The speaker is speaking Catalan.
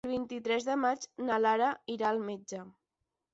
El vint-i-tres de maig na Lara irà al metge.